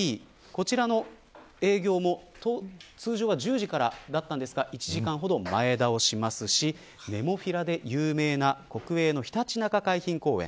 こちらの営業も通常は１０時からだったんですが１時間ほど前倒しますしネモフィラで有名な国営のひたち海浜公園